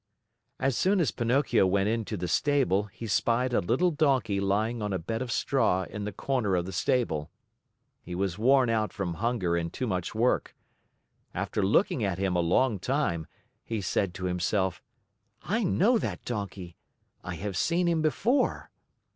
As soon as Pinocchio went into the stable, he spied a little Donkey lying on a bed of straw in the corner of the stable. He was worn out from hunger and too much work. After looking at him a long time, he said to himself: "I know that Donkey! I have seen him before."